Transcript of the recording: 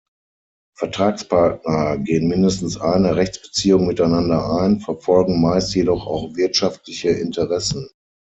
Vertragspartner gehen mindestens eine Rechtsbeziehung miteinander ein, verfolgen meist jedoch auch wirtschaftliche Interessen.